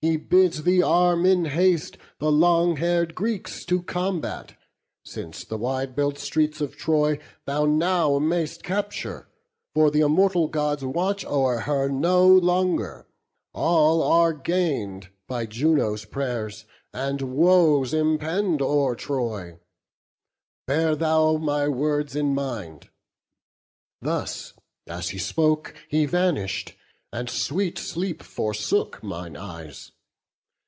He bids thee arm in haste the long hair'd Greeks To combat: since the wide built streets of Troy Thou now may'st capture; for th' immortal Gods Watch over her no longer: all are gain'd By Juno's pray'rs, and woes impend o'er Troy. Bear thou my words in mind.' Thus as he spoke He vanish'd; and sweet sleep forsook mine eyes.